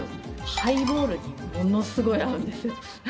ハイボールにものすごい合うんですよ。